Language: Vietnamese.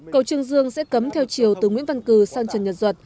cầu trường dương sẽ cấm theo chiều từ nguyễn văn cử sang trần nhật duật